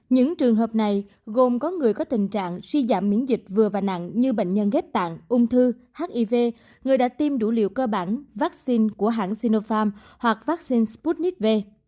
những trường hợp này gồm có người có tình trạng suy giảm miễn dịch vừa và nặng như bệnh nhân ghép tạng ung thư hiv người đã tiêm đủ liều cơ bản vaccine của hãng sinopharm hoặc vaccine sputnik v